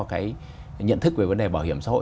cái nhận thức về vấn đề bảo hiểm xã hội